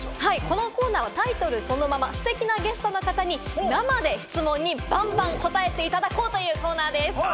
このコーナーはタイトルそのまま、ステキなゲストの方に生で質問にバンバン答えていただこうというコーナーです。